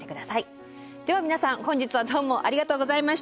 では皆さん本日はどうもありがとうございました。